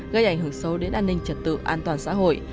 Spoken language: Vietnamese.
gây ảnh hưởng sâu đến an ninh trật tự an toàn xã hội